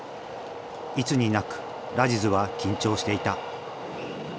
いつになくラジズは緊張していた。